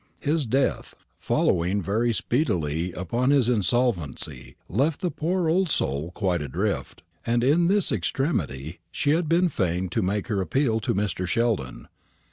His death, following very speedily upon his insolvency, left the poor soul quite adrift; and in this extremity she had been fain to make her appeal to Mr. Sheldon.